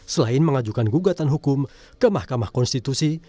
selain mengajukan gugatan hukum ke mahkamah konstitusi